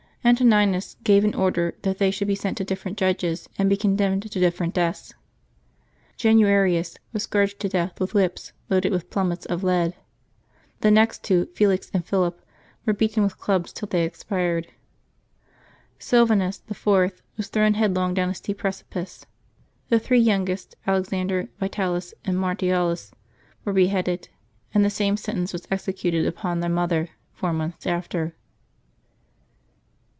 Antoninus gave an order that they should be sent to different judges, and be condemned to different deaths. Januarius was scourged to death with whips loaded with plummets of lead. The two next, Felix and Philip, were beaten with clubs till they expired. Sylvanus, the fourth, was thrown headlong down a steep precipice. The three youngest, Alexander, Yitalis, and Martialis, were beheaded, and the same sentence was executed upon the mother four months after.